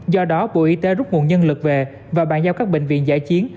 do đó bộ y tế rút nguồn nhân lực về và bàn giao các bệnh viện giải chiến